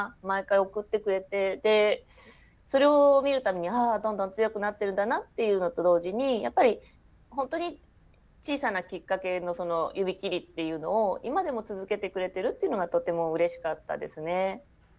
毎回送ってくれてそれを見る度にああどんどん強くなってるんだなっていうのと同時にやっぱり本当に小さなきっかけのゆびきりっていうのを今でも続けてくれてるっていうのがとてもうれしかったですね。